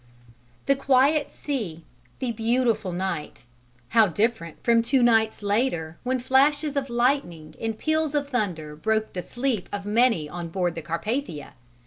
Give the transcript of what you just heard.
The quiet sea, the beautiful night (how different from two nights later when flashes of lightning and peals of thunder broke the sleep of many on board the Carpathia!)